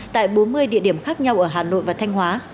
tại bốn mươi địa điểm khác nhau ở hà nội và thanh hóa